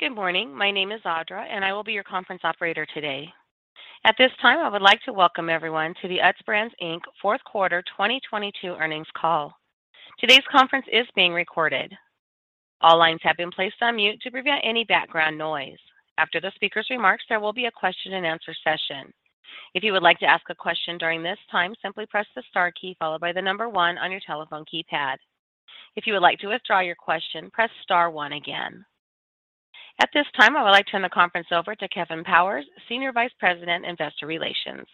Good morning. My name is Audra. I will be your conference operator today. At this time, I would like to welcome everyone to the Utz Brands Inc. Q4 2022 earnings call. Today's conference is being recorded. All lines have been placed on mute to prevent any background noise. After the speaker's remarks, there will be a question-and-answer session. If you would like to ask a question during this time, simply press the star key followed by one on your telephone keypad. If you would like to withdraw your question, press star one again. At this time, I would like to turn the conference over to Kevin Powers, Senior Vice President, Investor Relations.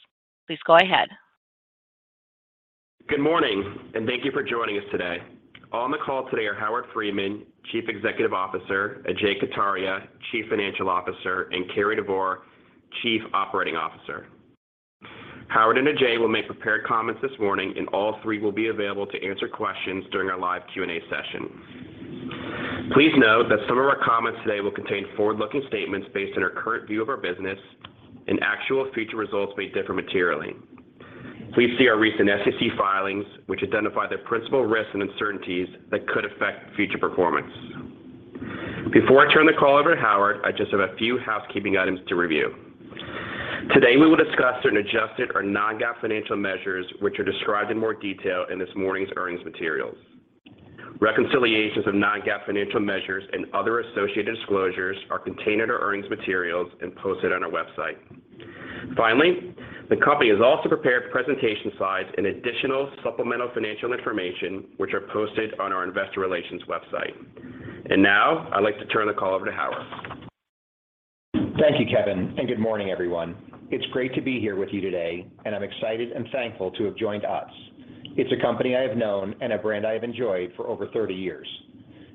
Please go ahead. Good morning. Thank you for joining us today. On the call today are Howard Friedman, Chief Executive Officer; Ajay Kataria, Chief Financial Officer; and Cary Devore, Chief Operating Officer. Howard and Ajay will make prepared comments this morning, and all three will be available to answer questions during our live Q&A session. Please note that some of our comments today will contain forward-looking statements based on our current view of our business and actual future results may differ materially. Please see our recent SEC filings, which identify the principal risks and uncertainties that could affect future performance. Before I turn the call over to Howard, I just have a few housekeeping items to review. Today, we will discuss certain adjusted or non-GAAP financial measures, which are described in more detail in this morning's earnings materials. Reconciliations of non-GAAP financial measures and other associated disclosures are contained in our earnings materials and posted on our website. Finally, the company has also prepared presentation slides and additional supplemental financial information, which are posted on our investor relations website. Now, I'd like to turn the call over to Howard. Thank you, Kevin. Good morning, everyone. It's great to be here with you today. I'm excited and thankful to have joined Utz. It's a company I have known and a brand I have enjoyed for over 30 years.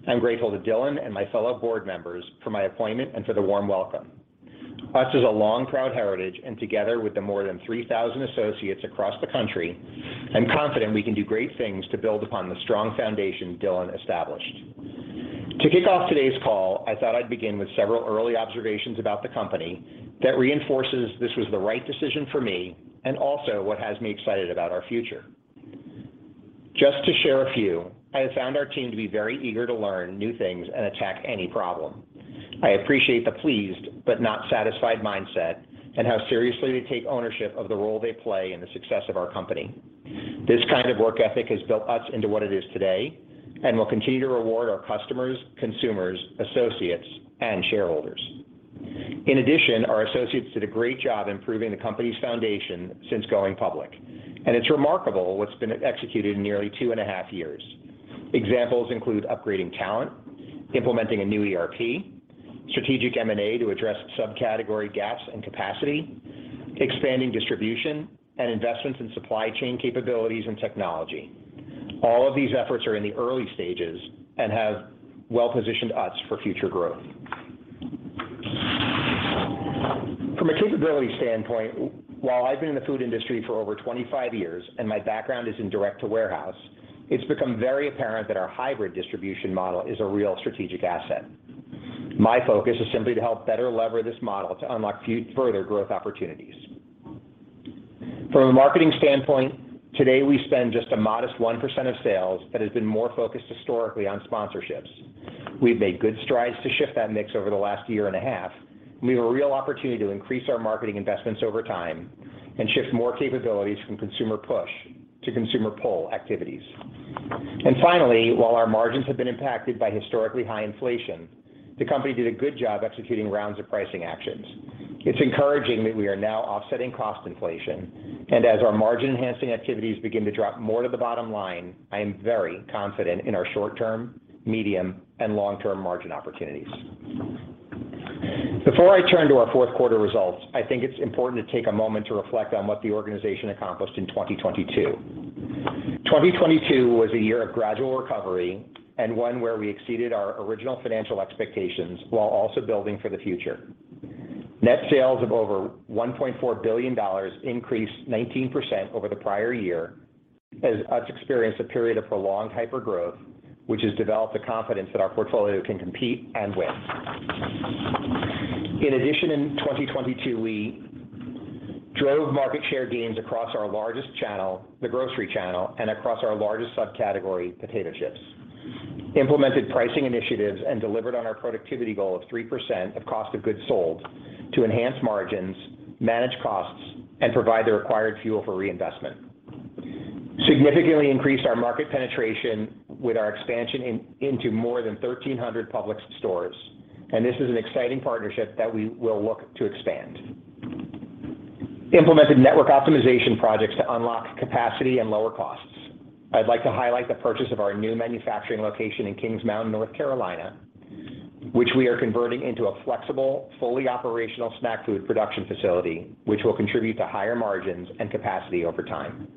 I'm grateful to Dylan and my fellow board members for my appointment and for the warm welcome. Utz has a long, proud heritage. Together with the more than 3,000 associates across the country, I'm confident we can do great things to build upon the strong foundation Dylan established. To kick off today's call, I thought I'd begin with several early observations about the company that reinforces this was the right decision for me, and also what has me excited about our future. Just to share a few, I have found our team to be very eager to learn new things and attack any problem. I appreciate the pleased but not satisfied mindset and how seriously they take ownership of the role they play in the success of our company. This kind of work ethic has built Utz into what it is today and will continue to reward our customers, consumers, associates, and shareholders. Our associates did a great job improving the company's foundation since going public, and it's remarkable what's been executed in nearly two and a half years. Examples include upgrading talent, implementing a new ERP, strategic M&A to address subcategory gaps and capacity, expanding distribution, and investments in supply chain capabilities and technology. All of these efforts are in the early stages and have well-positioned Utz for future growth. From a capability standpoint, while I've been in the food industry for over 25 years and my background is in direct-to-warehouse, it's become very apparent that our hybrid distribution model is a real strategic asset. My focus is simply to help better lever this model to unlock further growth opportunities. From a marketing standpoint, today we spend just a modest 1% of sales that has been more focused historically on sponsorships. We've made good strides to shift that mix over the last year and a half. We have a real opportunity to increase our marketing investments over time and shift more capabilities from consumer push to consumer pull activities. Finally, while our margins have been impacted by historically high inflation, the company did a good job executing rounds of pricing actions. It's encouraging that we are now offsetting cost inflation, as our margin-enhancing activities begin to drop more to the bottom line, I am very confident in our short-term, medium, and long-term margin opportunities. Before I turn to our Q4 results, I think it's important to take a moment to reflect on what the organization accomplished in 2022. 2022 was a year of gradual recovery and one where we exceeded our original financial expectations while also building for the future. Net sales of over $1.4 billion increased 19% over the prior year as Utz experienced a period of prolonged hyper growth, which has developed the confidence that our portfolio can compete and win. In addition, in 2022, we drove market share gains across our largest channel, the grocery channel, and across our largest subcategory, potato chips. Implemented pricing initiatives and delivered on our productivity goal of 3% of COGS to enhance margins, manage costs, and provide the required fuel for reinvestment. Significantly increased our market penetration with our expansion into more than 1,300 Publix stores. This is an exciting partnership that we will look to expand. Implemented network optimization projects to unlock capacity and lower costs. I'd like to highlight the purchase of our new manufacturing location in Kings Mountain, North Carolina, which we are converting into a flexible, fully operational snack food production facility, which will contribute to higher margins and capacity over time.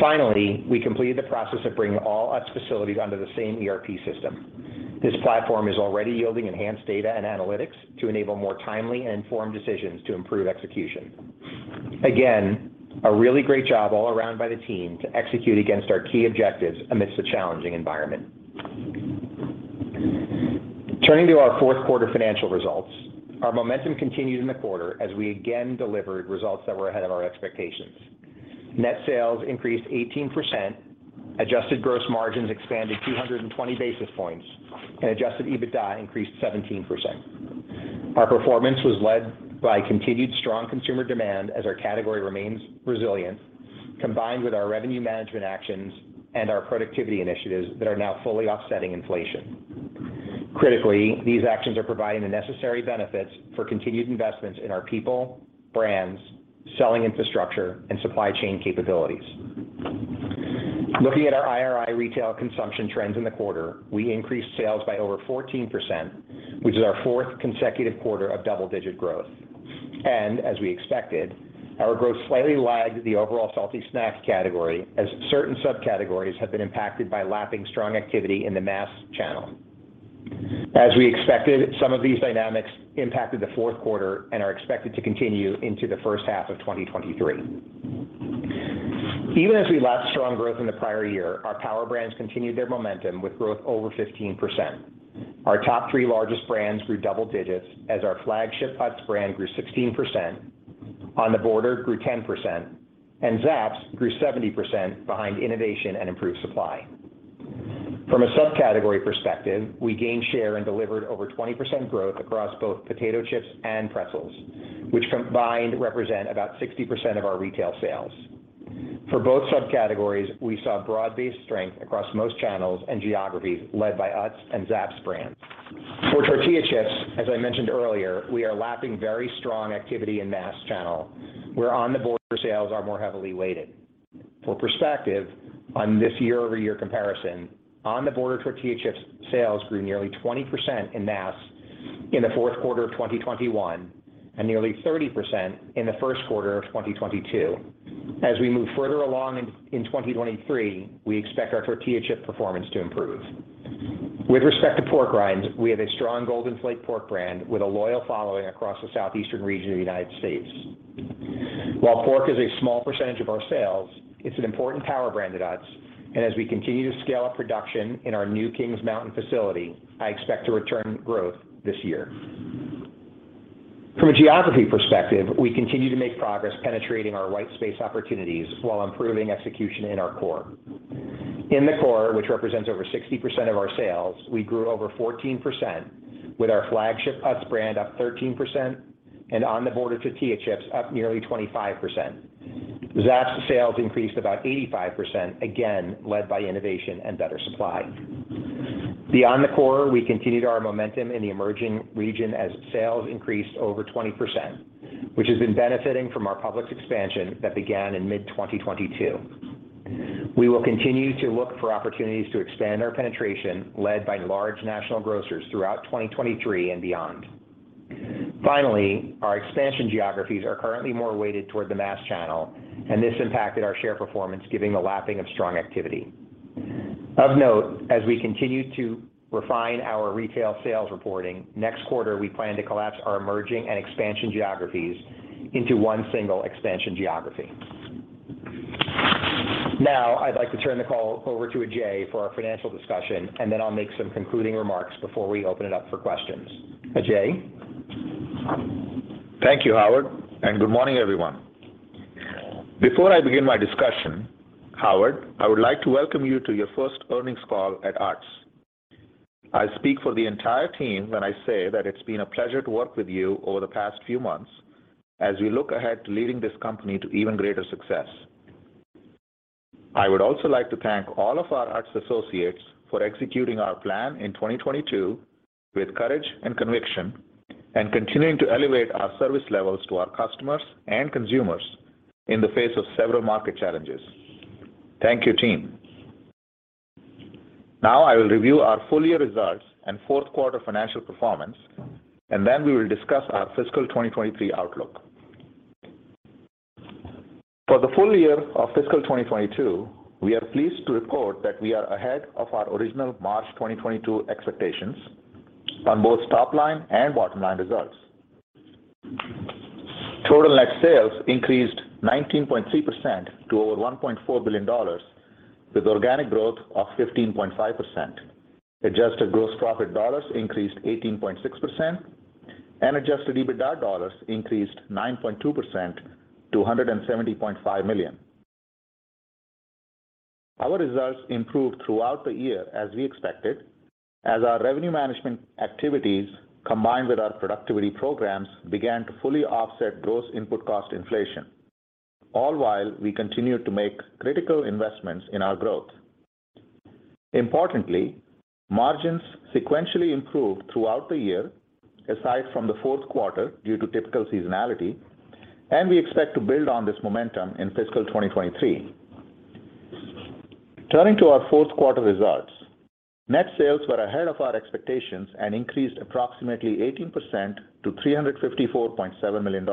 Finally, we completed the process of bringing all Utz facilities under the same ERP system. This platform is already yielding enhanced data and analytics to enable more timely and informed decisions to improve execution. Again, a really great job all around by the team to execute against our key objectives amidst a challenging environment. Turning to our Q4 financial results. Our momentum continued in the quarter as we again delivered results that were ahead of our expectations. Net sales increased 18%, adjusted gross margins expanded 220 basis points, and adjusted EBITDA increased 17%. Our performance was led by continued strong consumer demand as our category remains resilient, combined with our revenue management actions and our productivity initiatives that are now fully offsetting inflation. Critically, these actions are providing the necessary benefits for continued investments in our people, brands, selling infrastructure and supply chain capabilities. Looking at our IRI retail consumption trends in the quarter, we increased sales by over 14%, which is our fourth consecutive quarter of double-digit growth. As we expected, our growth slightly lagged the overall salty snack category as certain subcategories have been impacted by lapping strong activity in the mass channel. As we expected, some of these dynamics impacted the Q4 and are expected to continue into the first half of 2023. Even as we lapped strong growth in the prior year, our Power Brands continued their momentum with growth over 15%. Our top three largest brands grew double digits as our flagship Utz brand grew 16%, On The Border grew 10%, and Zapp's grew 70% behind innovation and improved supply. From a subcategory perspective, we gained share and delivered over 20% growth across both potato chips and pretzels, which combined represent about 60% of our retail sales. For both subcategories, we saw broad-based strength across most channels and geographies led by Utz and Zapp's brands. For tortilla chips, as I mentioned earlier, we are lapping very strong activity in mass channel, where On The Border sales are more heavily weighted. For perspective, on this year-over-year comparison, On The Border tortilla chips sales grew nearly 20% in mass in the Q4 of 2021, and nearly 30% in the Q1 of 2022. As we move further along in 2023, we expect our tortilla chip performance to improve. With respect to pork rinds, we have a strong Golden Flake pork brand with a loyal following across the southeastern region of the United States. While pork is a small percentage of our sales, it's an important Power Brand at Utz, and as we continue to scale up production in our new Kings Mountain facility, I expect to return growth this year. From a geography perspective, we continue to make progress penetrating our white space opportunities while improving execution in our core. In the core, which represents over 60% of our sales, we grew over 14%, with our flagship Utz brand up 13% and On The Border tortilla chips up nearly 25%. Zapp's sales increased about 85%, again led by innovation and better supply. Beyond the core, we continued our momentum in the emerging region as sales increased over 20%, which has been benefiting from our Publix expansion that began in mid-2022. We will continue to look for opportunities to expand our penetration led by large national grocers throughout 2023 and beyond. Finally, our expansion geographies are currently more weighted toward the mass channel, and this impacted our share performance giving the lapping of strong activity. Of note, as we continue to refine our retail sales reporting, next quarter we plan to collapse our emerging and expansion geographies into one single expansion geography. I'd like to turn the call over to Ajay for our financial discussion, and then I'll make some concluding remarks before we open it up for questions. Ajay. Thank you, Howard. Good morning, everyone. Before I begin my discussion, Howard, I would like to welcome you to your first earnings call at Utz. I speak for the entire team when I say that it's been a pleasure to work with you over the past few months as we look ahead to leading this company to even greater success. I would also like to thank all of our Utz associates for executing our plan in 2022 with courage and conviction, and continuing to elevate our service levels to our customers and consumers in the face of several market challenges. Thank you, team. Now I will review our full year results and Q4 financial performance, and then we will discuss our fiscal 2023 outlook. For the full year of fiscal 2022, we are pleased to report that we are ahead of our original March 2022 expectations on both top line and bottom line results. Total net sales increased 19.3% to over $1.4 billion, with organic growth of 15.5%. Adjusted gross profit dollars increased 18.6%, and adjusted EBITDA dollars increased 9.2% to $170.5 million. Our results improved throughout the year as we expected, as our revenue management activities, combined with our productivity programs, began to fully offset gross input cost inflation, all while we continued to make critical investments in our growth. Importantly, margins sequentially improved throughout the year, aside from the Q4, due to typical seasonality, and we expect to build on this momentum in fiscal 2023. Turning to our Q4 results. Net sales were ahead of our expectations and increased approximately 18% to $354.7 million.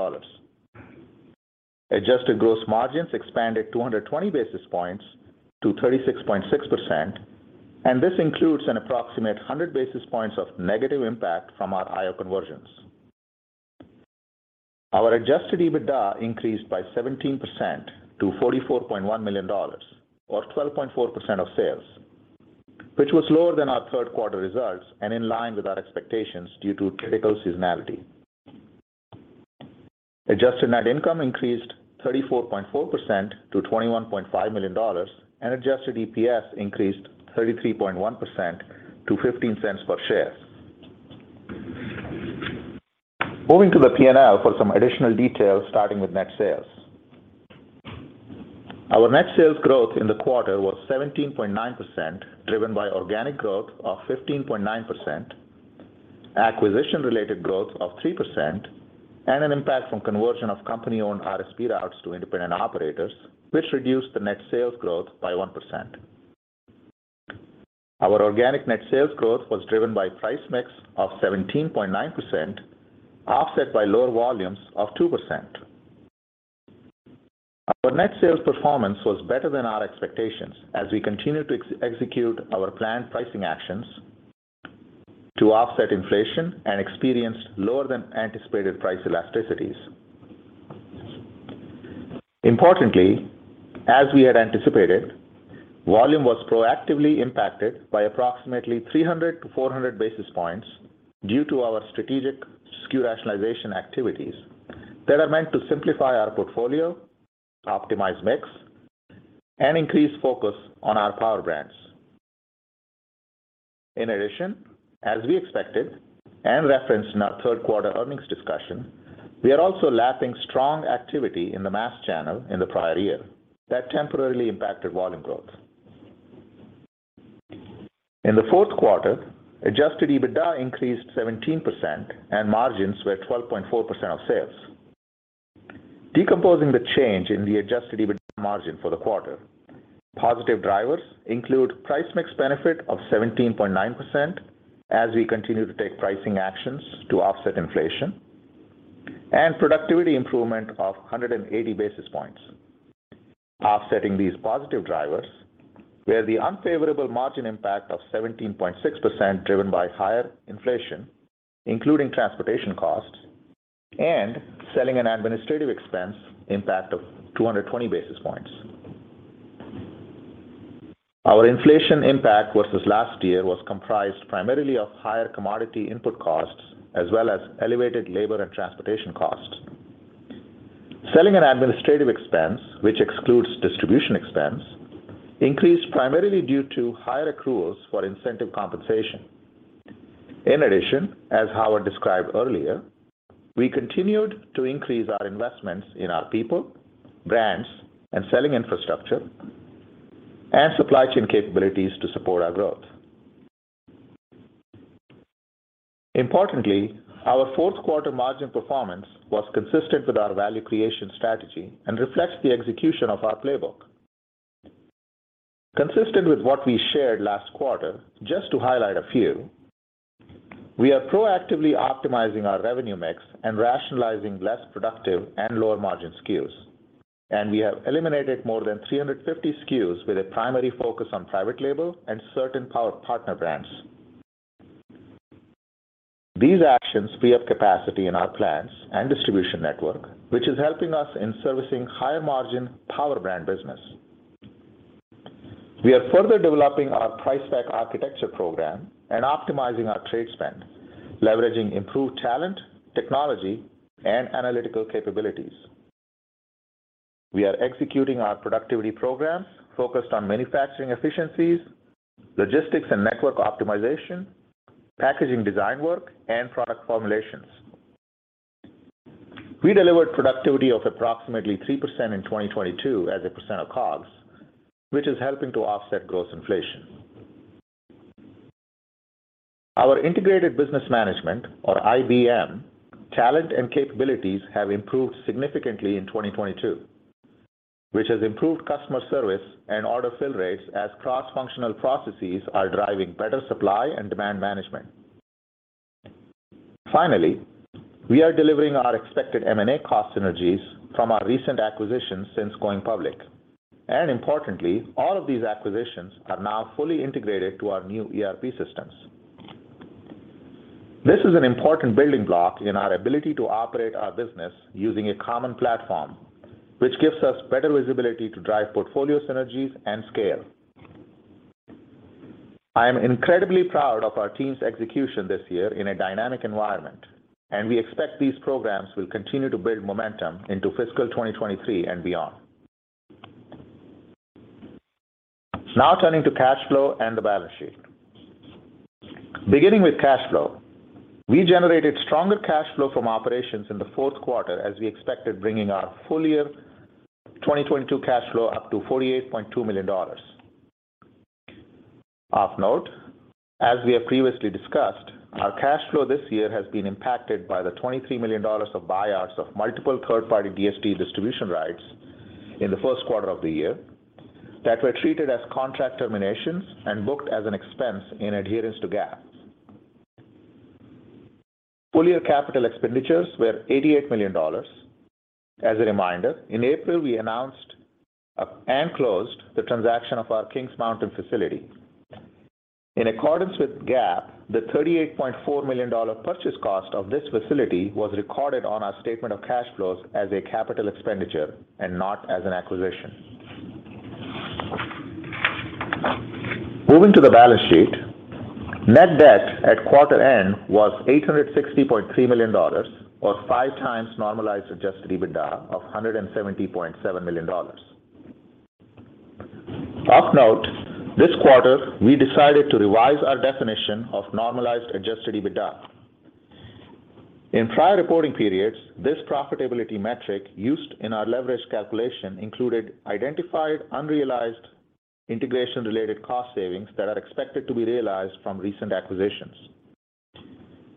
Adjusted gross margins expanded 220 basis points to 36.6%, and this includes an approximate 100 basis points of negative impact from our IO conversions. Our adjusted EBITDA increased by 17% to $44.1 million or 12.4% of sales, which was lower than our Q3 results and in line with our expectations due to typical seasonality. Adjusted net income increased 34.4% to $21.5 million, and adjusted EPS increased 33.1% to $0.15 per share. Moving to the P&L for some additional details, starting with net sales. Our net sales growth in the quarter was 17.9%, driven by organic growth of 15.9%, acquisition-related growth of 3%, and an impact from conversion of company-owned RSP routes to independent operators, which reduced the net sales growth by 1%. Our organic net sales growth was driven by price mix of 17.9%, offset by lower volumes of 2%. Our net sales performance was better than our expectations as we continued to execute our planned pricing actions to offset inflation and experienced lower than anticipated price elasticities. Importantly, as we had anticipated, volume was proactively impacted by approximately 300-400 basis points due to our strategic SKU rationalization activities that are meant to simplify our portfolio, optimize mix, and increase focus on our Power Brands. In addition, as we expected and referenced in our Q3 earnings discussion, we are also lapping strong activity in the mass channel in the prior year that temporarily impacted volume growth. In the Q4, adjusted EBITDA increased 17% and margins were 12.4% of sales. Decomposing the change in the adjusted EBITDA margin for the quarter, positive drivers include price mix benefit of 17.9% as we continue to take pricing actions to offset inflation and productivity improvement of 180 basis points. Offsetting these positive drivers were the unfavorable margin impact of 17.6% driven by higher inflation, including transportation costs and selling and administrative expense impact of 220 basis points. Our inflation impact versus last year was comprised primarily of higher commodity input costs, as well as elevated labor and transportation costs. Selling and administrative expense, which excludes distribution expense, increased primarily due to higher accruals for incentive compensation. In addition, as Howard described earlier, we continued to increase our investments in our people, brands, and selling infrastructure and supply chain capabilities to support our growth. Importantly, our Q4 margin performance was consistent with our value creation strategy and reflects the execution of our playbook. Consistent with what we shared last quarter, just to highlight a few, we are proactively optimizing our revenue mix and rationalizing less productive and lower margin SKUs, and we have eliminated more than 350 SKUs with a primary focus on private label and certain Power partner brands. These actions free up capacity in our plants and distribution network, which is helping us in servicing higher margin Power Brand business. We are further developing our price back architecture program and optimizing our trade spend, leveraging improved talent, technology, and analytical capabilities. We are executing our productivity programs focused on manufacturing efficiencies, logistics and network optimization, packaging design work, and product formulations. We delivered productivity of approximately 3% in 2022 as a percent of COGS, which is helping to offset gross inflation. Our integrated business management or IBM talent and capabilities have improved significantly in 2022, which has improved customer service and order fill rates as cross-functional processes are driving better supply and demand management. Finally, we are delivering our expected M&A cost synergies from our recent acquisitions since going public. Importantly, all of these acquisitions are now fully integrated to our new ERP systems. This is an important building block in our ability to operate our business using a common platform, which gives us better visibility to drive portfolio synergies and scale. I am incredibly proud of our team's execution this year in a dynamic environment, and we expect these programs will continue to build momentum into fiscal 2023 and beyond. Now turning to cash flow and the balance sheet. Beginning with cash flow, we generated stronger cash flow from operations in the Q4 as we expected, bringing our full year 2022 cash flow up to $48.2 million. Of note, as we have previously discussed, our cash flow this year has been impacted by the $23 million of buyouts of multiple third-party DSD distribution rights in the Q1 of the year that were treated as contract terminations and booked as an expense in adherence to GAAP. Full year CapEx were $88 million. As a reminder, in April, we announced and closed the transaction of our Kings Mountain facility. In accordance with GAAP, the $38.4 million purchase cost of this facility was recorded on our statement of cash flows as a CapEx and not as an acquisition. Moving to the balance sheet, net debt at quarter end was $860.3 million, or 5x Normalized Adjusted EBITDA of $170.7 million. Of note, this quarter we decided to revise our definition of Normalized Adjusted EBITDA. In prior reporting periods, this profitability metric used in our leverage calculation included identified unrealized integration-related cost savings that are expected to be realized from recent acquisitions.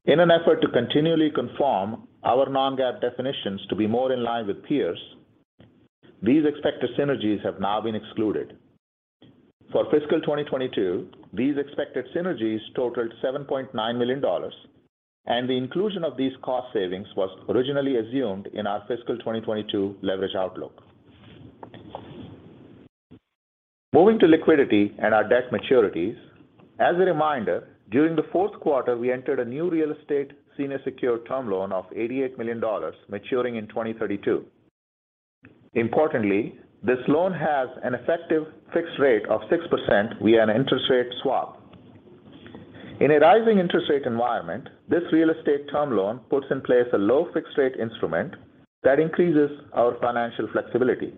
In an effort to continually conform our non-GAAP definitions to be more in line with peers, these expected synergies have now been excluded. For fiscal 2022, these expected synergies totaled $7.9 million, the inclusion of these cost savings was originally assumed in our fiscal 2022 leverage outlook. Moving to liquidity and our debt maturities. As a reminder, during the Q4 we entered a new real estate senior secured term loan of $88 million maturing in 2032. Importantly, this loan has an effective fixed rate of 6% via an interest rate swap. In a rising interest rate environment, this real estate term loan puts in place a low fixed rate instrument that increases our financial flexibility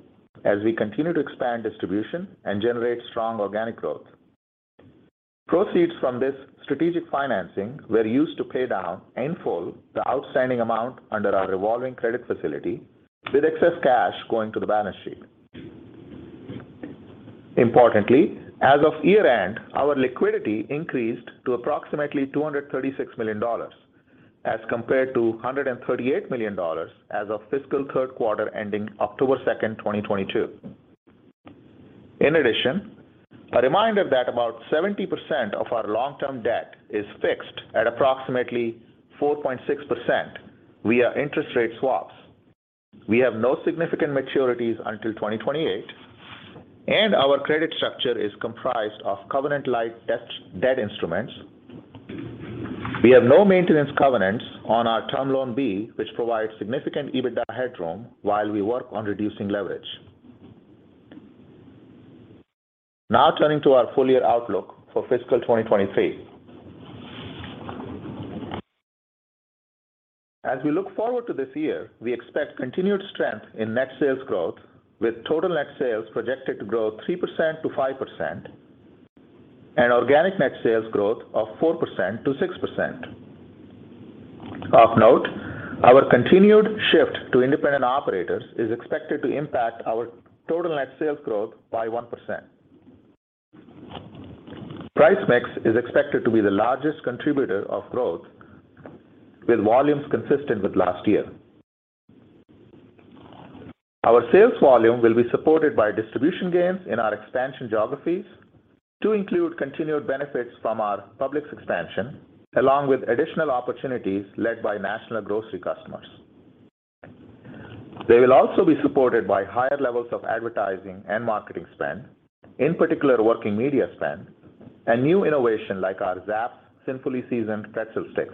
as we continue to expand distribution and generate strong organic growth. Proceeds from this strategic financing were used to pay down in full the outstanding amount under our revolving credit facility, with excess cash going to the balance sheet. Importantly, as of year-end, our liquidity increased to approximately $236 million as compared to $138 million as of fiscal Q3 ending October second, 2022. A reminder that about 70% of our long-term debt is fixed at approximately 4.6% via interest rate swaps. We have no significant maturities until 2028. Our credit structure is comprised of covenant light debt instruments. We have no maintenance covenants on our Term Loan B, which provides significant EBITDA headroom while we work on reducing leverage. Turning to our full year outlook for fiscal 2023. As we look forward to this year, we expect continued strength in net sales growth, with total net sales projected to grow 3%-5% and organic net sales growth of 4%-6%. Of note, our continued shift to independent operators is expected to impact our total net sales growth by 1%. Price mix is expected to be the largest contributor of growth, with volumes consistent with last year. Our sales volume will be supported by distribution gains in our expansion geographies to include continued benefits from our Publix expansion, along with additional opportunities led by national grocery customers. They will also be supported by higher levels of advertising and marketing spend, in particular working media spend and new innovation like our Zapp's Sinfully-Seasoned Pretzel Stix.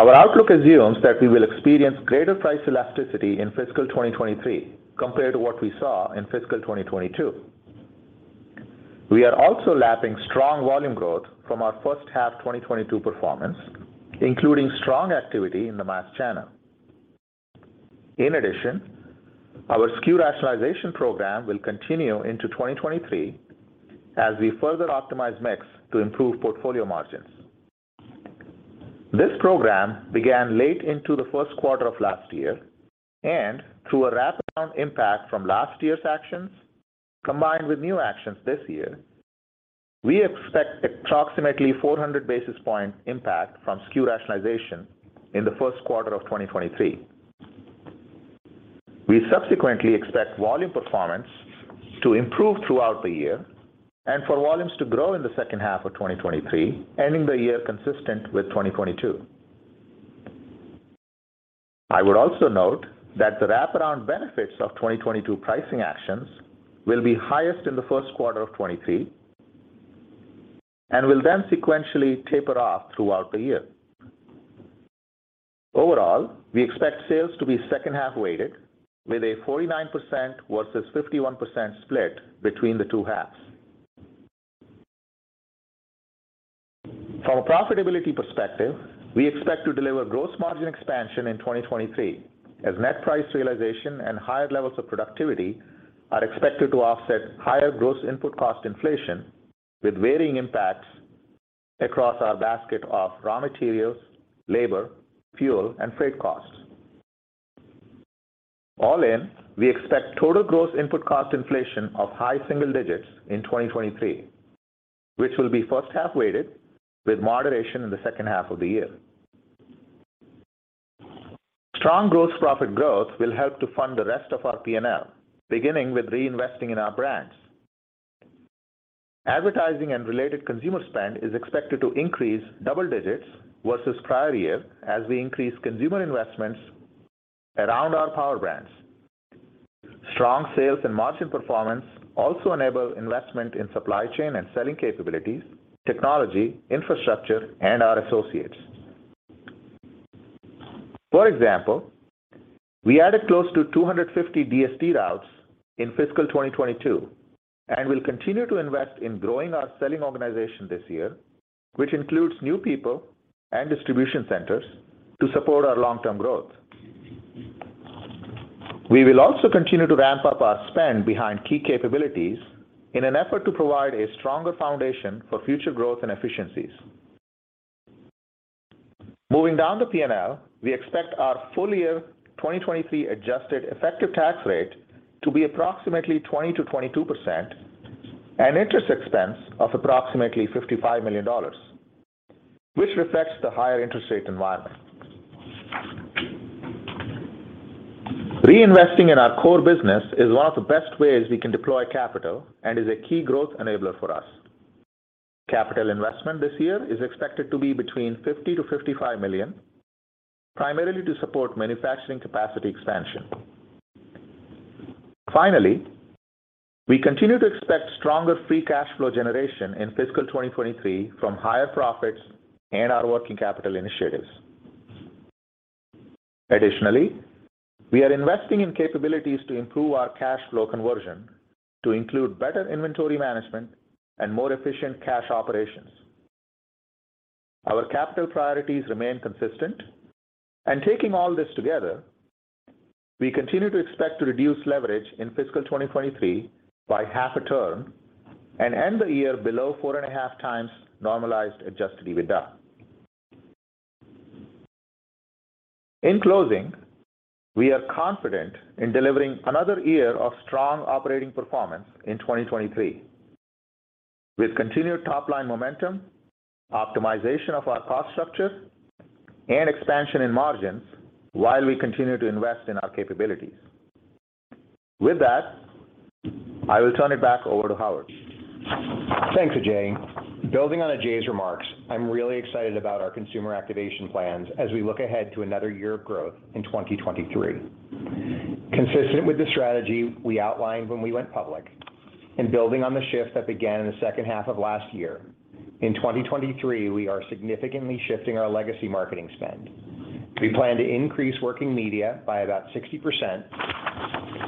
Our outlook assumes that we will experience greater price elasticity in fiscal 2023 compared to what we saw in fiscal 2022. We are also lapping strong volume growth from our first half 2022 performance, including strong activity in the mass channel. In addition, our SKU rationalization program will continue into 2023 as we further optimize mix to improve portfolio margins. This program began late into the Q1 of last year and through a wraparound impact from last year's actions combined with new actions this year, we expect approximately 400 basis point impact from SKU rationalization in the Q1 of 2023. We subsequently expect volume performance to improve throughout the year and for volumes to grow in the second half of 2023, ending the year consistent with 2022. I would also note that the wraparound benefits of 2022 pricing actions will be highest in the Q1 of 2023 and will then sequentially taper off throughout the year. Overall, we expect sales to be second half weighted with a 49% versus 51% split between the two halves. From a profitability perspective, we expect to deliver gross margin expansion in 2023 as net price realization and higher levels of productivity are expected to offset higher gross input cost inflation with varying impacts across our basket of raw materials, labor, fuel, and freight costs. All in, we expect total gross input cost inflation of high single digits in 2023, which will be first half weighted with moderation in the second half of the year. Strong gross profit growth will help to fund the rest of our P&L, beginning with reinvesting in our brands. Advertising and related consumer spend is expected to increase double-digits versus prior year as we increase consumer investments around our Power Brands. Strong sales and margin performance also enable investment in supply chain and selling capabilities, technology, infrastructure, and our associates. For example, we added close to 250 DSD routes in fiscal 2022, and we'll continue to invest in growing our selling organization this year, which includes new people and distribution centers to support our long-term growth. We will also continue to ramp up our spend behind key capabilities in an effort to provide a stronger foundation for future growth and efficiencies. Moving down the P&L, we expect our full year 2023 adjusted effective tax rate to be approximately 20%-22% and interest expense of approximately $55 million, which reflects the higher interest rate environment. Reinvesting in our core business is one of the best ways we can deploy capital and is a key growth enabler for us. Capital investment this year is expected to be between $50 million-$55 million, primarily to support manufacturing capacity expansion. Finally, we continue to expect stronger free cash flow generation in fiscal 2023 from higher profits and our working capital initiatives. We are investing in capabilities to improve our cash flow conversion to include better inventory management and more efficient cash operations. Our capital priorities remain consistent. Taking all this together, we continue to expect to reduce leverage in fiscal 2023 by half a turn and end the year below 4.5x Normalized Adjusted EBITDA. In closing, we are confident in delivering another year of strong operating performance in 2023. With continued top-line momentum, optimization of our cost structure, and expansion in margins while we continue to invest in our capabilities. With that, I will turn it back over to Howard. Thanks, Ajay. Building on Ajay's remarks, I'm really excited about our consumer activation plans as we look ahead to another year of growth in 2023. Consistent with the strategy we outlined when we went public and building on the shift that began in the second half of last year, in 2023, we are significantly shifting our legacy marketing spend. We plan to increase working media by about 60%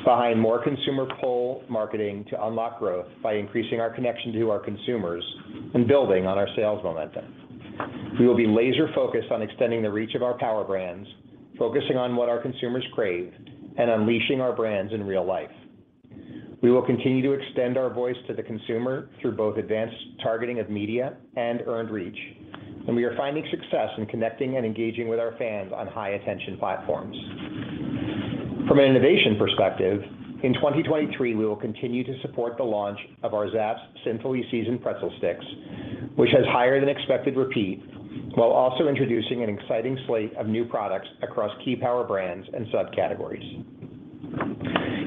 behind more consumer pull marketing to unlock growth by increasing our connection to our consumers and building on our sales momentum. We will be laser-focused on extending the reach of our Power Brands, focusing on what our consumers crave, and unleashing our brands in real life. We will continue to extend our voice to the consumer through both advanced targeting of media and earned reach, and we are finding success in connecting and engaging with our fans on high attention platforms. From an innovation perspective, in 2023, we will continue to support the launch of our Zapp's Sinfully-Seasoned Pretzel Stix, which has higher than expected repeat, while also introducing an exciting slate of new products across key Power Brands and subcategories.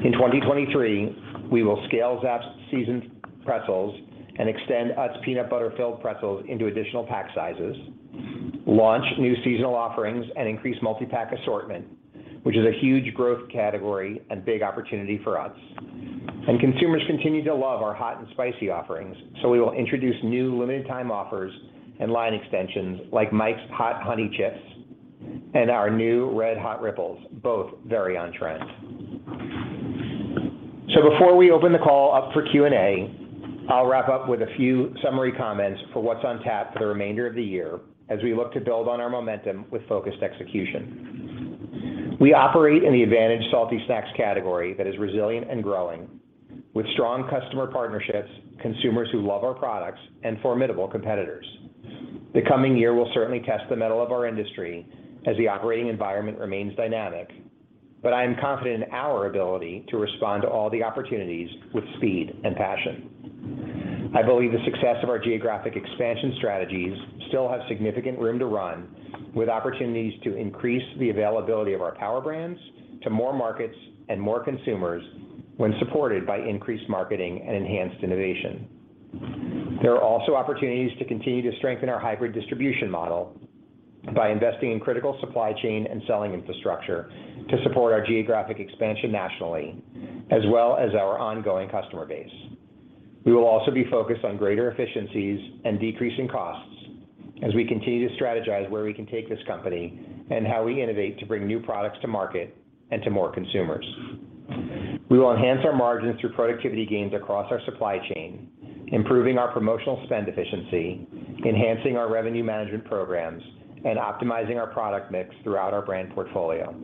In 2023, we will scale Zapp's Seasoned Pretzels and extend Utz Peanut Butter Filled Pretzels into additional pack sizes, launch new seasonal offerings, and increase multi-pack assortment, which is a huge growth category and big opportunity for us. Consumers continue to love our hot and spicy offerings, so we will introduce new limited time offers and line extensions like Mike's Hot Honey Chips and our new Red Hot Ripples, both very on trend. Before we open the call up for Q&A, I'll wrap up with a few summary comments for what's on tap for the remainder of the year as we look to build on our momentum with focused execution. We operate in the advantaged salty snacks category that is resilient and growing with strong customer partnerships, consumers who love our products, and formidable competitors. The coming year will certainly test the mettle of our industry as the operating environment remains dynamic, but I am confident in our ability to respond to all the opportunities with speed and passion. I believe the success of our geographic expansion strategies still have significant room to run with opportunities to increase the availability of our Power Brands to more markets and more consumers when supported by increased marketing and enhanced innovation. There are also opportunities to continue to strengthen our hybrid distribution model by investing in critical supply chain and selling infrastructure to support our geographic expansion nationally as well as our ongoing customer base. We will also be focused on greater efficiencies and decreasing costs as we continue to strategize where we can take this company and how we innovate to bring new products to market and to more consumers. We will enhance our margins through productivity gains across our supply chain, improving our promotional spend efficiency, enhancing our revenue management programs, and optimizing our product mix throughout our brand portfolio.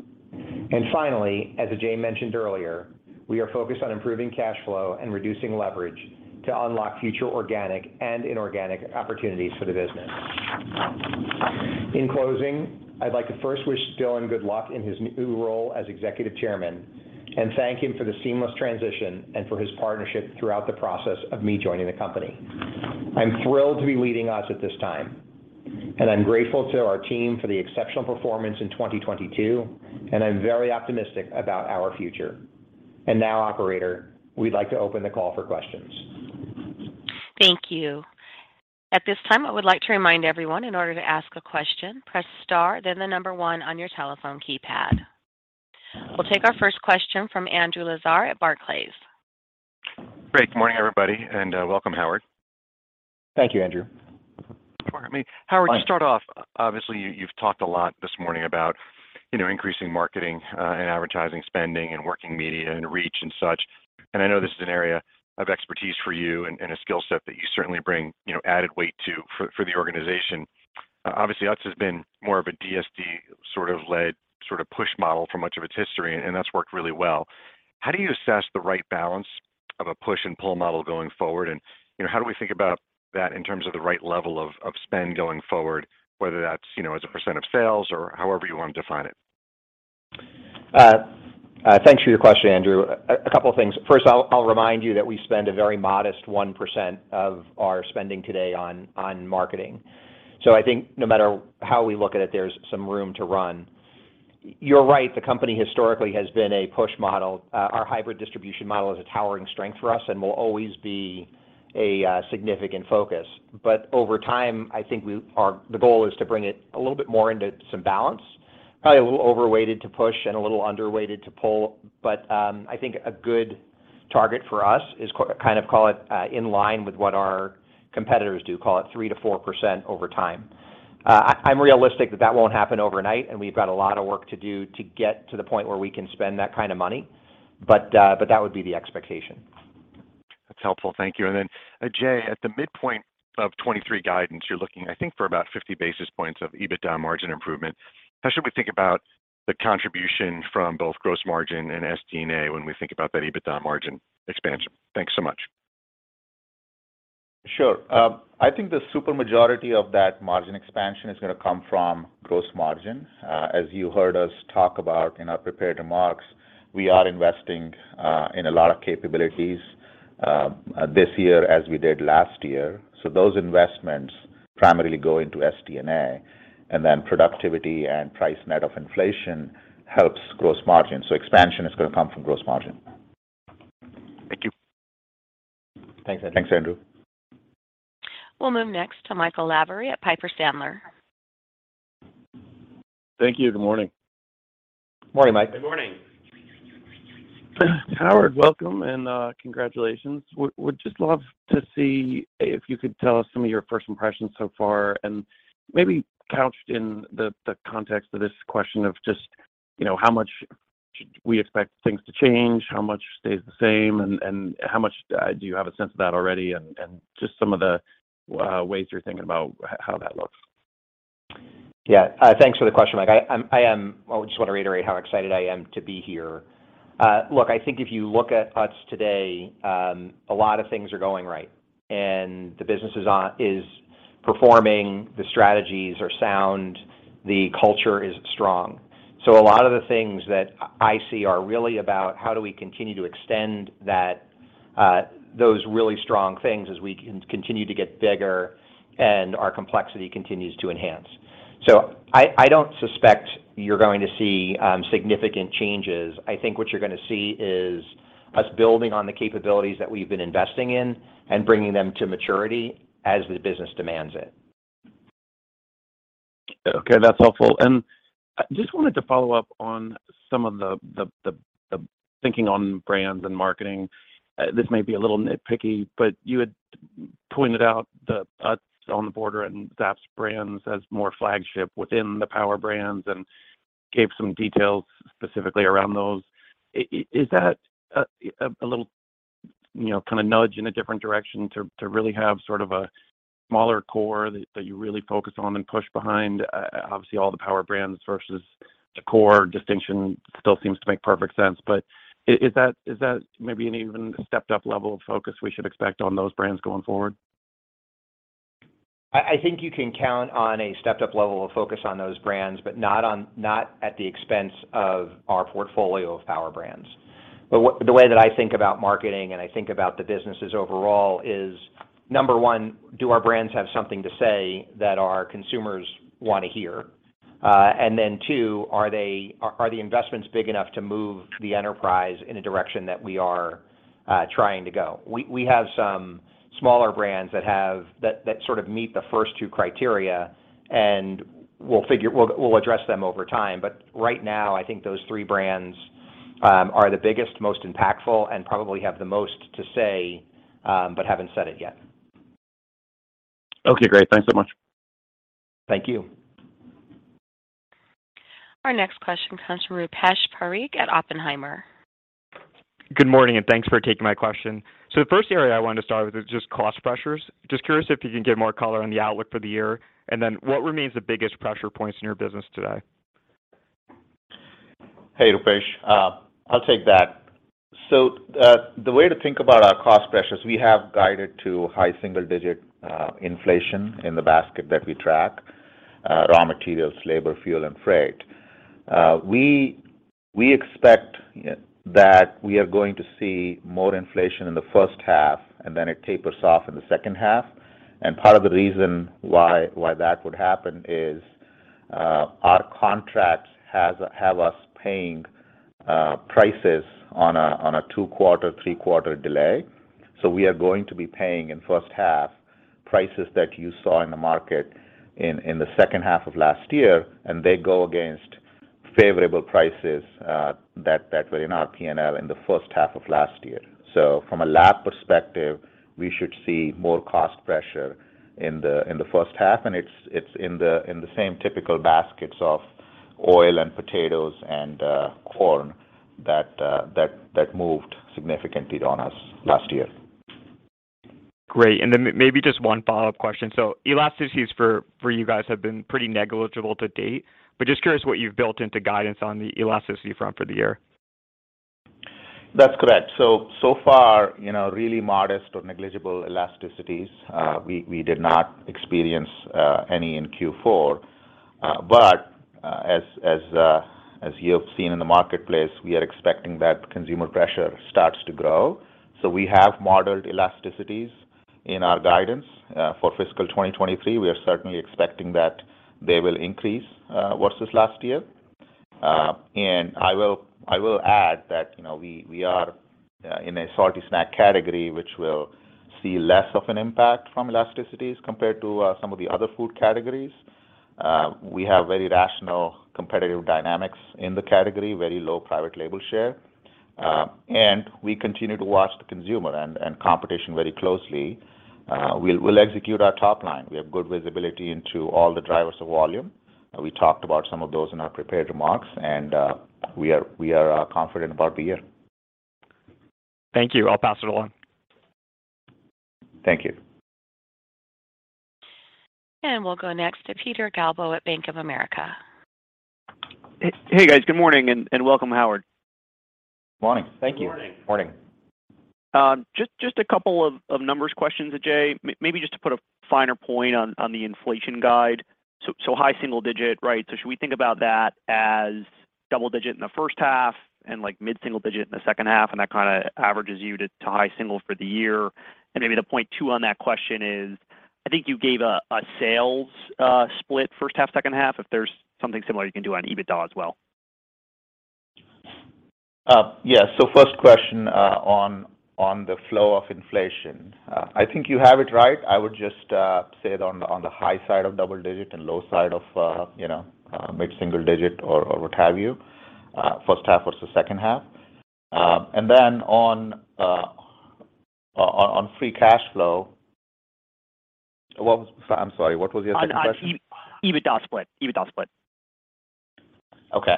Finally, as Ajay mentioned earlier, we are focused on improving cash flow and reducing leverage to unlock future organic and inorganic opportunities for the business. In closing, I'd like to first wish Dylan good luck in his new role as executive chairman, and thank him for the seamless transition and for his partnership throughout the process of me joining the company. I'm thrilled to be leading us at this time, and I'm grateful to our team for the exceptional performance in 2022, and I'm very optimistic about our future. Now, operator, we'd like to open the call for questions. Thank you. At this time, I would like to remind everyone in order to ask a question, press star then the number one on your telephone keypad. We'll take our first question from Andrew Lazar at Barclays. Great. Good morning, everybody, and welcome, Howard. Thank you, Andrew. Howard, to start off, obviously you've talked a lot this morning about, you know, increasing marketing, and advertising spending and working media and reach and such, I know this is an area of expertise for you and a skill set that you certainly bring, you know, added weight to for the organization. Obviously, Utz has been more of a DSD sort of led sort of push model for much of its history, and that's worked really well. How do you assess the right balance of a push and pull model going forward? You know, how do we think about that in terms of the right level of spend going forward, whether that's, you know, as a percent of sales or however you wanna define it? Thanks for your question, Andrew. A couple of things. First, I'll remind you that we spend a very modest 1% of our spending today on marketing. I think no matter how we look at it, there's some room to run. You're right, the company historically has been a push model. Our hybrid distribution model is a towering strength for us and will always be a significant focus. Over time, I think the goal is to bring it a little bit more into some balance, probably a little overweighted to push and a little underweighted to pull. I think a good target for us is kind of call it in line with what our competitors do, call it 3%-4% over time. I'm realistic that that won't happen overnight, and we've got a lot of work to do to get to the point where we can spend that kind of money. That would be the expectation. That's helpful. Thank you. Ajay, at the midpoint of 2023 guidance, you're looking, I think, for about 50 basis points of EBITDA margin improvement. How should we think about the contribution from both gross margin and SG&A when we think about that EBITDA margin expansion? Thanks so much. Sure. I think the super majority of that margin expansion is gonna come from gross margin. As you heard us talk about in our prepared remarks, we are investing in a lot of capabilities this year as we did last year. Those investments primarily go into SDNA, and then productivity and price net of inflation helps gross margin. Expansion is gonna come from gross margin. Thank you. Thanks, Andrew. Thanks, Andrew. We'll move next to Michael Lavery at Piper Sandler. Thank you. Good morning. Morning, Mike. Good morning. Howard, welcome and congratulations. Would just love to see if you could tell us some of your first impressions so far and maybe couched in the context of this question of just, you know, how much should we expect things to change, how much stays the same, and how much do you have a sense of that already and just some of the ways you're thinking about how that looks? Yeah. Thanks for the question, Mike. I just wanna reiterate how excited I am to be here. Look, I think if you look at Utz today, a lot of things are going right and the business is performing, the strategies are sound, the culture is strong. A lot of the things that I see are really about how do we continue to extend that, those really strong things as we continue to get bigger and our complexity continues to enhance. I don't suspect you're going to see significant changes. I think what you're gonna see is us building on the capabilities that we've been investing in and bringing them to maturity as the business demands it. Okay. That's helpful. Just wanted to follow up on some of the thinking on brands and marketing. This may be a little nitpicky, but you had pointed out the Utz On The Border and Zapp's brands as more flagship within the Power Brands and gave some details specifically around those. Is that a little, you know, kinda nudge in a different direction to really have sort of a smaller core that you really focus on and push behind? Obviously, all the Power Brands versus the core distinction still seems to make perfect sense. Is that maybe an even stepped up level of focus we should expect on those brands going forward? I think you can count on a stepped-up level of focus on those brands, but not at the expense of our portfolio of Power Brands. The way that I think about marketing and I think about the businesses overall is, number one, do our brands have something to say that our consumers wanna hear? Then two, are the investments big enough to move the enterprise in a direction that we are trying to go? We have some smaller brands that sort of meet the first two criteria, and we'll address them over time. Right now, I think those three brands are the biggest, most impactful, and probably have the most to say, but haven't said it yet. Okay, great. Thanks so much. Thank you. Our next question comes from Rupesh Parikh at Oppenheimer. Good morning. Thanks for taking my question. The first area I wanted to start with is just cost pressures. Just curious if you can give more color on the outlook for the year. What remains the biggest pressure points in your business today? Hey, Rupesh. I'll take that. The way to think about our cost pressures, we have guided to high single digit inflation in the basket that we track, raw materials, labor, fuel, and freight. We expect that we are going to see more inflation in the first half, and then it tapers off in the second half. Part of the reason why that would happen is our contracts have us paying prices on a two-quarter, three-quarter delay. We are going to be paying in first half prices that you saw in the market in the second half of last year, and they go against favorable prices that were in our PNL in the first half of last year. From a lab perspective, we should see more cost pressure in the first half, and it's in the same typical baskets of oil and potatoes and corn that moved significantly on us last year. Great. Maybe just one follow-up question. Elasticities for you guys have been pretty negligible to date, but just curious what you've built into guidance on the elasticity front for the year? That's correct. so far, you know, really modest or negligible elasticities. We did not experience any in Q4. As you have seen in the marketplace, we are expecting that consumer pressure starts to grow. We have modeled elasticities in our guidance. For fiscal 2023, we are certainly expecting that they will increase versus last year. I will add that, you know, we are in a salty snack category, which will see less of an impact from elasticities compared to some of the other food categories. We have very rational competitive dynamics in the category, very low private label share. We continue to watch the consumer and competition very closely. We'll execute our top line. We have good visibility into all the drivers of volume. We talked about some of those in our prepared remarks, and we are confident about the year. Thank you. I'll pass it along. Thank you. We'll go next to Peter Galbo at Bank of America. Hey, guys. Good morning and welcome, Howard. Morning. Thank you. Good morning. Morning. Just a couple of numbers questions, Ajay? Maybe just to put a finer point on the inflation guide. High single-digit, right? Should we think about that as double-digit in the first half and like mid-single-digit in the second half, and that kinda averages you to high single for the year? Maybe the point two on that question is, I think you gave a sales split first half, second half, if there's something similar you can do on EBITDA as well. Yeah. First question, on the flow of inflation. I think you have it right. I would just say it on the high side of double-digit and low side of, you know, mid-single-digit or what have you, first half versus second half. Then on free cash flow... I'm sorry, what was your second question? On EBITDA split. Okay.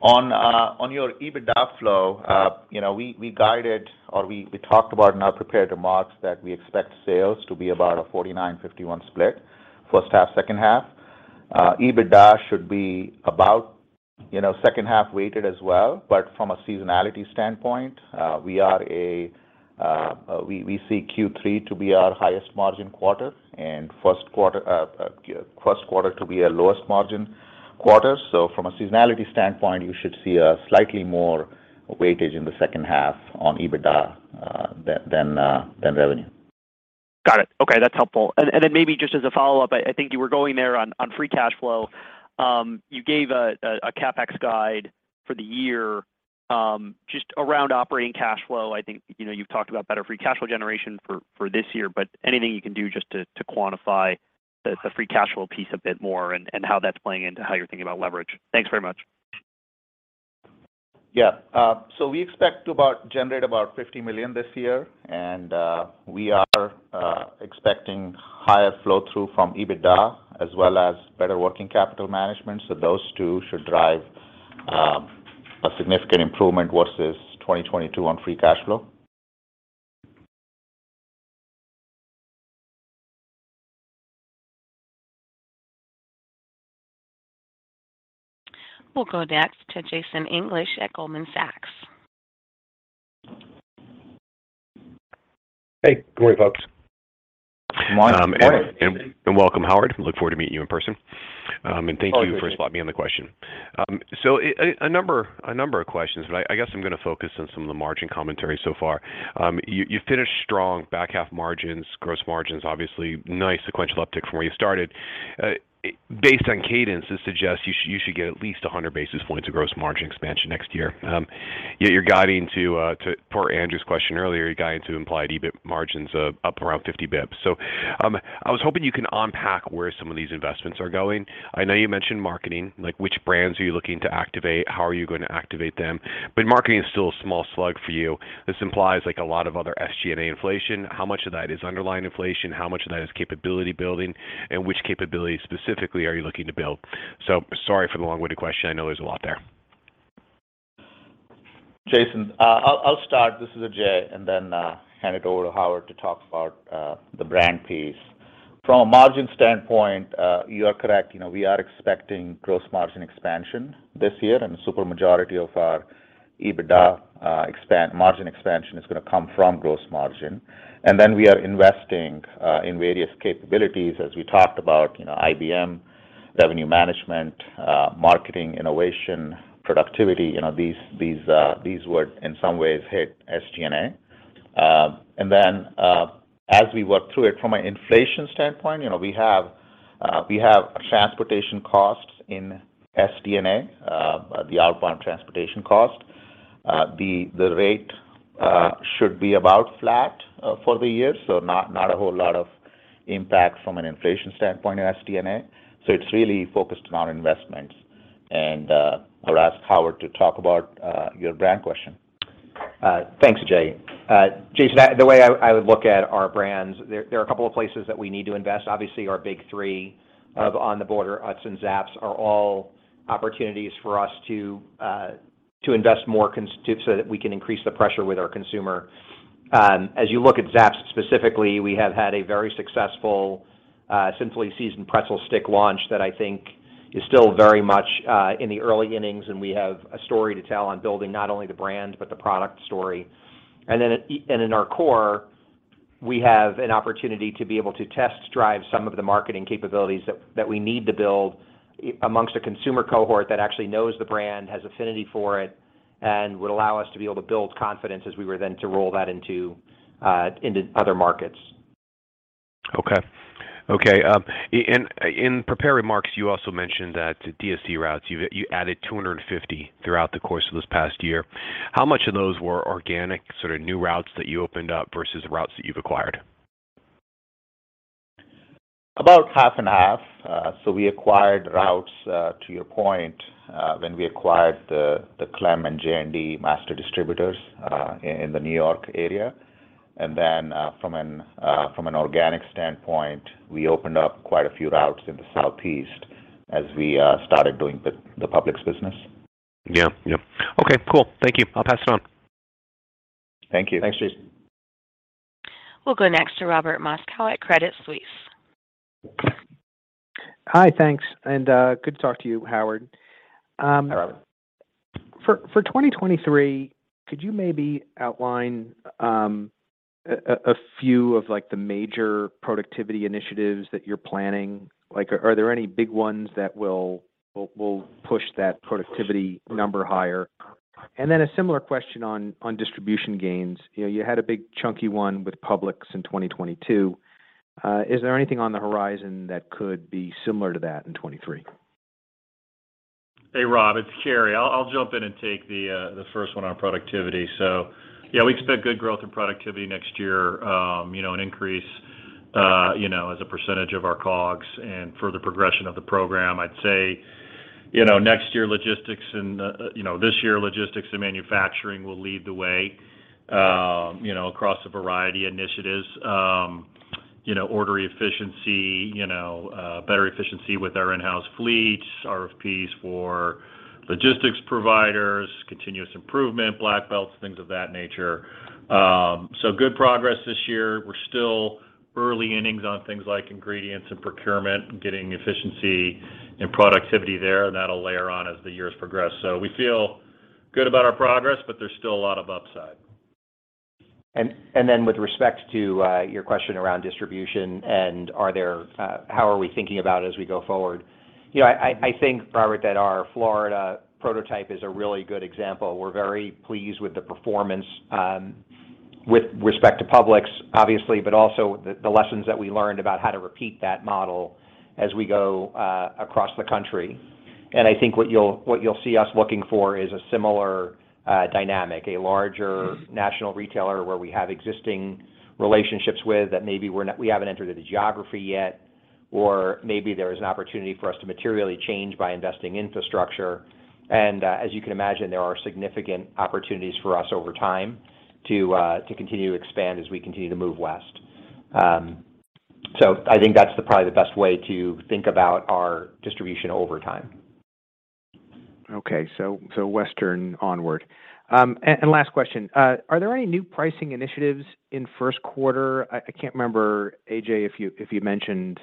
On your EBITDA flow, you know, we guided or we talked about in our prepared remarks that we expect sales to be about a 49-51 split first half, second half. EBITDA should be about, you know, second half weighted as well. From a seasonality standpoint, we see Q3 to be our highest margin quarter and Q1 to be our lowest margin quarter. From a seasonality standpoint, you should see a slightly more weightage in the second half on EBITDA than revenue. Got it. Okay, that's helpful. Then maybe just as a follow-up, I think you were going there on free cash flow. You gave a CapEx guide for the year. Just around operating cash flow, I think, you know, you've talked about better free cash flow generation for this year, but anything you can do just to quantify the free cash flow piece a bit more and how that's playing into how you're thinking about leverage. Thanks very much. Yeah. We expect to about generate about $50 million this year, and we are expecting higher flow through from EBITDA as well as better working capital management. Those two should drive a significant improvement versus 2022 on free cash flow. We'll go next to Jason English at Goldman Sachs. Hey, good morning, folks. Good morning. Good morning. Welcome, Howard. Look forward to meeting you in person. Thank you for slotting me in the question. A number of questions, but I guess I'm gonna focus on some of the margin commentary so far. You finished strong back half margins, gross margins, obviously nice sequential uptick from where you started. Based on cadence, this suggests you should get at least 100 basis points of gross margin expansion next year. Yet you're guiding to per Andrew's question earlier, you're guiding to implied EBIT margins of up around 50 basis points. I was hoping you can unpack where some of these investments are going. I know you mentioned marketing, like which brands are you looking to activate? How are you going to activate them? But marketing is still a small slug for you. This implies like a lot of other SG&A inflation. How much of that is underlying inflation? How much of that is capability building? Which capabilities specifically are you looking to build? Sorry for the long-winded question. I know there's a lot there. Jason, I'll start. This is Ajay, and then hand it over to Howard to talk about the brand piece. From a margin standpoint, you are correct. You know, we are expecting gross margin expansion this year, and the super majority of our EBITDA margin expansion is gonna come from gross margin. We are investing in various capabilities, as we talked about, you know, IBP, revenue management, marketing, innovation, productivity. You know, these would, in some ways, hit SG&A. As we work through it from an inflation standpoint, you know, we have transportation costs in SDNA, the outbound transportation cost. The rate should be about flat for the year, so not a whole lot of impact from an inflation standpoint in SDNA. It's really focused on investments and, I'll ask Howard to talk about your brand question. Thanks Ajay. Jason, the way I would look at our brands, there are a couple of places that we need to invest. Obviously, our big three of On The Border, Utz, and Zapp's are all opportunities for us to invest more so that we can increase the pressure with our consumer. As you look at Zapp's specifically, we have had a very successful Simply Seasoned pretzel stick launch that I think is still very much in the early innings, and we have a story to tell on building not only the brand, but the product story. In our core, we have an opportunity to be able to test drive some of the marketing capabilities that we need to build amongst a consumer cohort that actually knows the brand, has affinity for it, and would allow us to be able to build confidence as we were then to roll that into other markets. Okay. Okay, in prepared remarks, you also mentioned that DSD routes, you added 250 throughout the course of this past year. How much of those were organic, sort of new routes that you opened up versus routes that you've acquired? About half and half. We acquired routes, to your point, when we acquired the Clem and J&D master distributors, in the New York area. From an organic standpoint, we opened up quite a few routes in the Southeast as we, started doing the Publix business. Yeah. Yep. Okay, cool. Thank you. I'll pass it on. Thank you. Thanks, Jason. We'll go next to Robert Moskow at Credit Suisse. Hi, thanks. Good to talk to you, Howard. Hi, Robert. For 2023, could you maybe outline a few of, like, the major productivity initiatives that you're planning? Like, are there any big ones that will push that productivity number higher? A similar question on distribution gains. You know, you had a big chunky one with Publix in 2022. Is there anything on the horizon that could be similar to that in 2023? Hey, Rob, it's Cary. I'll jump in and take the first one on productivity. Yeah, we expect good growth and productivity next year. you know, an increase, you know, as a percentage of our COGS and further progression of the program. I'd say, you know, next year, logistics and, you know, this year, logistics and manufacturing will lead the way, you know, across a variety initiatives. you know, order efficiency, you know, better efficiency with our in-house fleets, RFPs for logistics providers, continuous improvement, black belts, things of that nature. good progress this year. We're still early innings on things like ingredients and procurement and getting efficiency and productivity there, and that'll layer on as the years progress. We feel good about our progress, but there's still a lot of upside. Then with respect to your question around distribution and are there, how are we thinking about as we go forward? You know, I think, Robert, that our Florida prototype is a really good example. We're very pleased with the performance with respect to Publix, obviously, but also the lessons that we learned about how to repeat that model as we go across the country. I think what you'll see us looking for is a similar dynamic, a larger national retailer where we have existing relationships with that maybe we haven't entered into geography yet, or maybe there is an opportunity for us to materially change by investing infrastructure. As you can imagine, there are significant opportunities for us over time to continue to expand as we continue to move west. I think that's probably the best way to think about our distribution over time. Okay. Western onward. Last question. Are there any new pricing initiatives in first quarter? I can't remember, Ajay, if you mentioned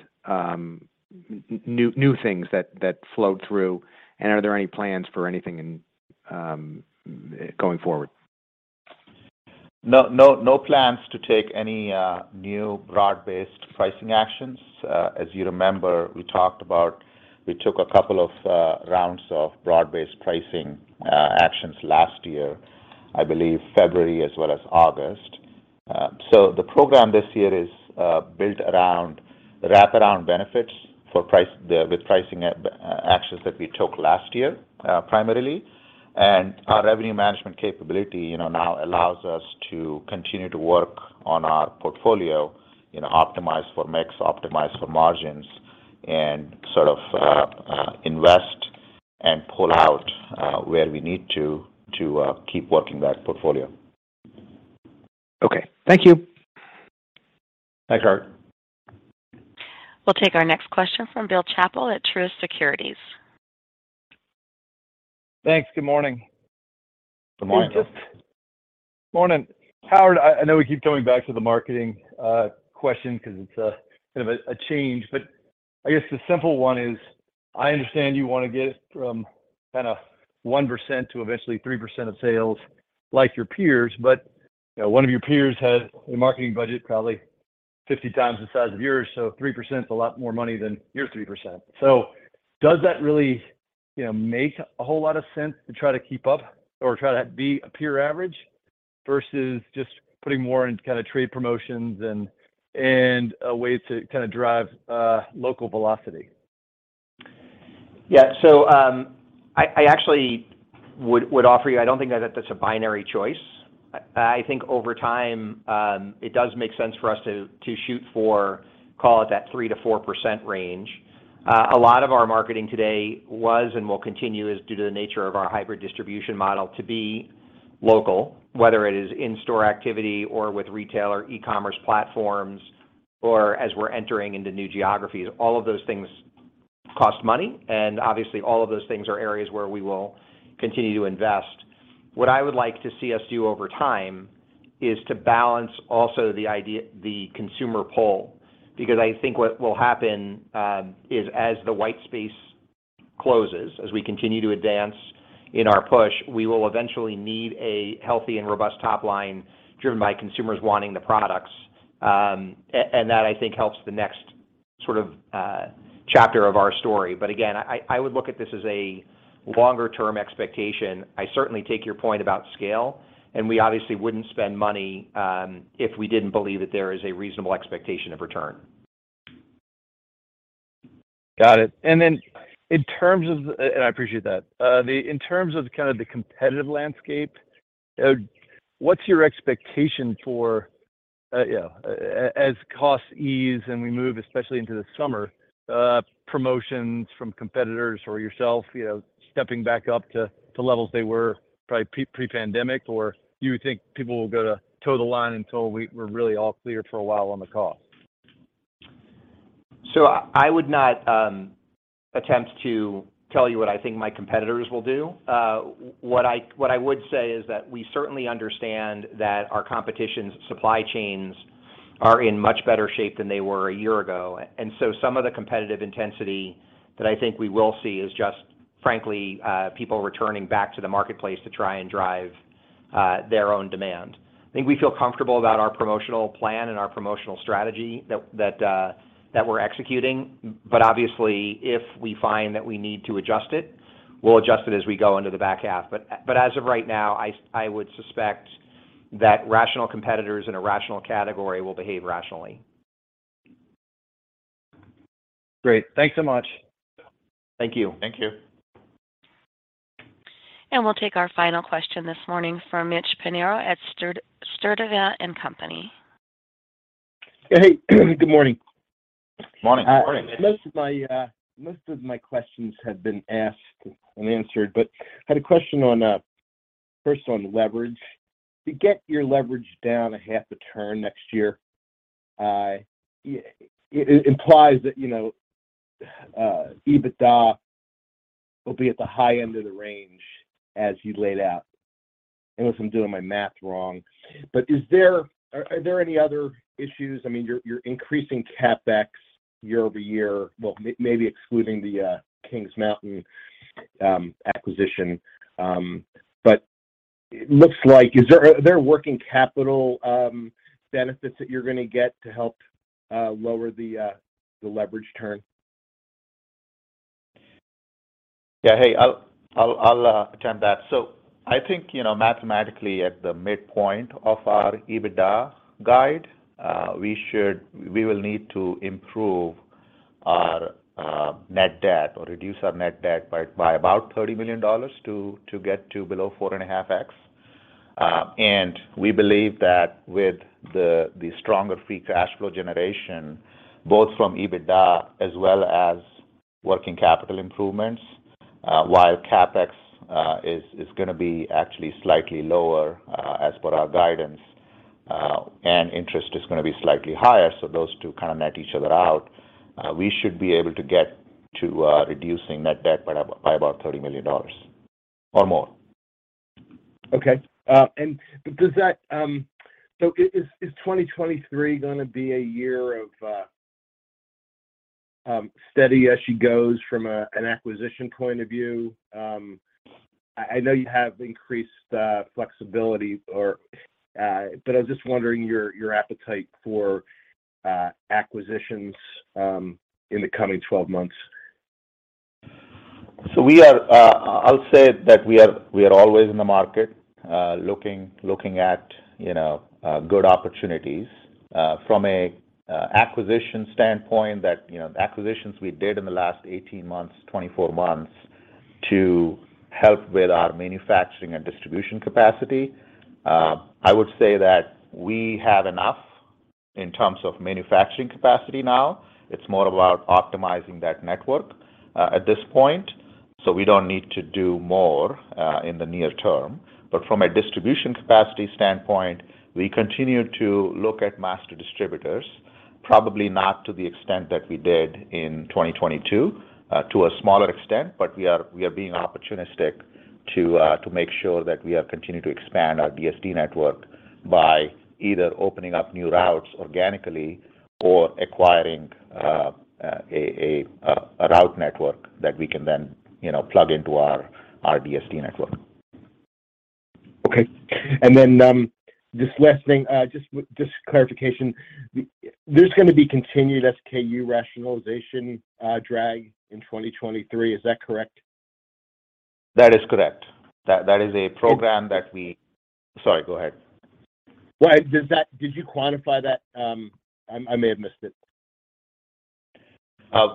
new things that flowed through, and are there any plans for anything in, going forward? No, no plans to take any new broad-based pricing actions. As you remember, we took a couple of rounds of broad-based pricing actions last year, I believe February as well as August. The program this year is built around wraparound benefits for with pricing at actions that we took last year, primarily. Our revenue management capability, you know, now allows us to continue to work on our portfolio, you know, optimize for mix, optimize for margins, and sort of invest and pull out where we need to to keep working that portfolio. Okay. Thank you. Thanks, Rob. We'll take our next question from Bill Chappell at Truist Securities. Thanks. Good morning. Good morning. Morning. Howard, I know we keep coming back to the marketing question 'cause it's a kind of a change. I guess the simple one is, I understand you wanna get from kinda 1% to eventually 3% of sales like your peers. You know, one of your peers has a marketing budget probably 50x the size of yours, so 3% is a lot more money than your 3%. Does that really, you know, make a whole lot of sense to try to keep up or try to be a peer average versus just putting more into kinda trade promotions and a way to kinda drive local velocity? I actually would offer you, I don't think that that's a binary choice. I think over time, it does make sense for us to shoot for, call it that 3%-4% range. A lot of our marketing today was and will continue due to the nature of our hybrid distribution model, to be local, whether it is in-store activity or with retail or e-commerce platforms or as we're entering into new geographies. All of those things cost money, and obviously, all of those things are areas where we will continue to invest. What I would like to see us do over time is to balance also the idea, the consumer pull. I think what will happen, as the white space closes, as we continue to advance in our push, we will eventually need a healthy and robust top line driven by consumers wanting the products. That I think helps the next sort of chapter of our story. Again, I would look at this as a longer-term expectation. I certainly take your point about scale, and we obviously wouldn't spend money if we didn't believe that there is a reasonable expectation of return. Got it. I appreciate that. In terms of kind of the competitive landscape, what's your expectation for, yeah, as costs ease and we move especially into the summer, promotions from competitors or yourself, you know, stepping back up to levels they were probably pre-pandemic, or do you think people will go to toe the line until we're really all clear for a while on the cost? I would not attempt to tell you what I think my competitors will do. What I would say is that we certainly understand that our competition's supply chains are in much better shape than they were a year ago. Some of the competitive intensity that I think we will see is just, frankly, people returning back to the marketplace to try and drive their own demand. I think we feel comfortable about our promotional plan and our promotional strategy that we're executing. Obviously, if we find that we need to adjust it, we'll adjust it as we go into the back half. As of right now, I would suspect that rational competitors in a rational category will behave rationally. Great. Thanks so much. Thank you. Thank you. We'll take our final question this morning from Mitchell Pinheiro at Sturdivant & Co.. Hey, good morning. Morning. Morning, Mitch. Most of my questions have been asked and answered, but had a question on first on leverage. To get your leverage down a half a turn next year, it implies that, you know, EBITDA will be at the high end of the range as you laid out, unless I'm doing my math wrong. Are there any other issues? I mean, you're increasing CapEx year-over-year. Well, maybe excluding the Kings Mountain acquisition. Looks like. Are there working capital benefits that you're gonna get to help lower the leverage turn? Yeah. Hey, I'll attempt that. I think, you know, mathematically at the midpoint of our EBITDA guide, we will need to improve our net debt or reduce our net debt by about $30 million to get to below 4.5x. We believe that with the stronger free cash flow generation, both from EBITDA as well as working capital improvements, while CapEx is gonna be actually slightly lower as per our guidance, and interest is gonna be slightly higher, those two kind of net each other out, we should be able to get to reducing net debt by about $30 million or more. Okay. Is 2023 gonna be a year of steady as she goes from an acquisition point of view? I know you have increased flexibility or, I was just wondering your appetite for acquisitions in the coming 12 months. We are, I'll say that we are always in the market, looking at, you know, good opportunities. From a acquisition standpoint that, you know, acquisitions we did in the last 18 months, 24 months to help with our manufacturing and distribution capacity, I would say that we have enough in terms of manufacturing capacity now. It's more about optimizing that network, at this point, so we don't need to do more, in the near term. From a distribution capacity standpoint, we continue to look at master distributors, probably not to the extent that we did in 2022, to a smaller extent, but we are being opportunistic to make sure that we are continuing to expand our DSD network by either opening up new routes organically or acquiring, a route network that we can then, you know, plug into our DSD network. Okay. Just last thing, just clarification. There's gonna be continued SKU rationalization, drag in 2023. Is that correct? That is correct. That is a program that we... Sorry, go ahead. Did you quantify that? I may have missed it.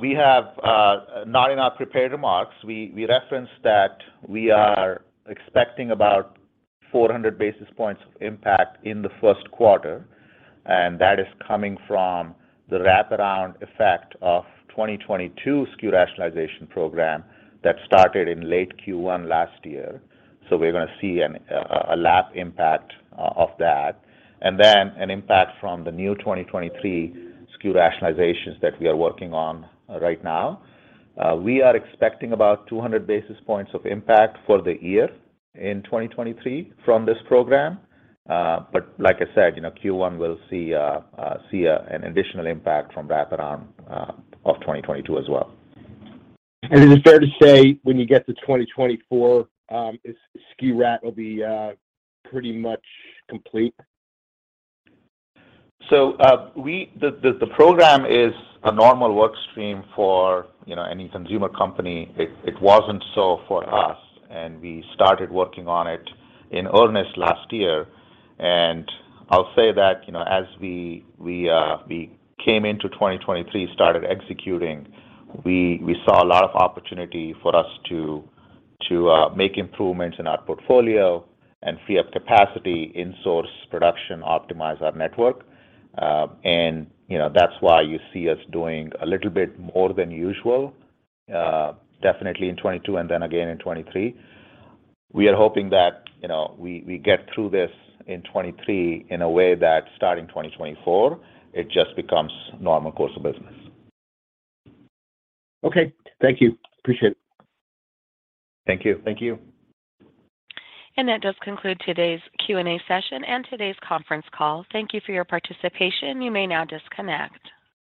We have not in our prepared remarks, we referenced that we are expecting about 400 basis points of impact in the first quarter, and that is coming from the wraparound effect of 2022 SKU rationalization program that started in late Q1 last year. We're gonna see a lap impact oof that, and then an impact from the new 2023 SKU rationalizations that we are working on right now. We are expecting about 200 basis points of impact for the year in 2023 from this program. Like I said, you know, Q1 will see an additional impact from wraparound of 2022 as well. Is it fair to say when you get to 2024, SKURat will be pretty much complete? The program is a normal work stream for, you know, any consumer company. It wasn't so for us, and we started working on it in earnest last year. I'll say that, you know, as we, uh, we came into 2023, started executing, we saw a lot of opportunity for us to, uh, make improvements in our portfolio and free up capacity, in-source production, optimize our network. You know, that's why you see us doing a little bit more than usual, definitely in 2022 and then again in 2023. We are hoping that, you know, we get through this in 2023 in a way that starting 2024, it just becomes normal course of business. Okay. Thank you. Appreciate it. Thank you. Thank you. That does conclude today's Q&A session and today's conference call. Thank you for your participation. You may now disconnect.